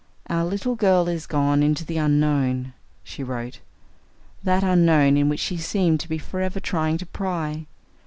"Our little girl is gone into the Unknown," she wrote "that Unknown in which she seemed to be forever trying to pry.